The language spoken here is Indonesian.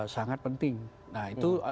sangat penting nah itu